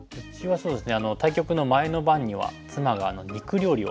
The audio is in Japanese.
そうですね